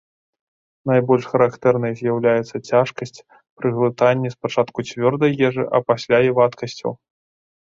Найбольш характэрнай з'яўляецца цяжкасць пры глытанні спачатку цвёрдай ежы, а пасля і вадкасцяў.